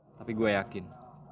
tapi gue yakin